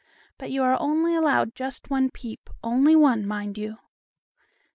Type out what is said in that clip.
But you are only allowed just one peep, only one, mind you.